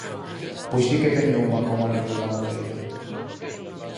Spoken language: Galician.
Pois si que teño unha como anécdota moteira.